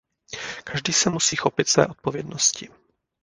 Každý se musí chopit své odpovědnosti.